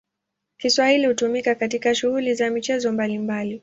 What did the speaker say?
Kiswahili hutumika katika shughuli za michezo mbalimbali.